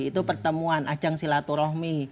itu pertemuan ajang silaturahmi